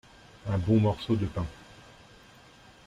Un bon morceau de pain.